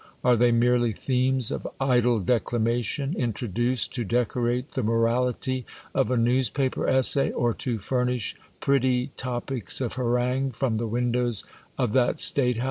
Are they merely themes of idle declamation, introduced to decorate the morality of a newspaper essay, or to furnish pretty top ips of harangue from the windows of that State house